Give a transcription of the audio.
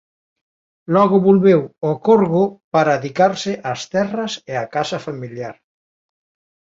Logo volveu ó Corgo para adicarse ás terras e á casa familiar.